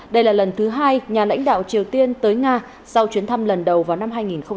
đây là lần thứ hai nhà lãnh đạo triều tiên tới nga sau chuyến thăm lần đầu vào năm hai nghìn một mươi năm